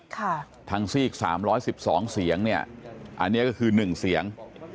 ทางซีกสามร้อยสิบสองเสียงเนี่ยอันนี้ก็คือหนึ่งเสียง